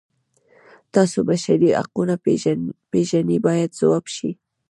تاسو بشري حقونه پیژنئ باید ځواب شي.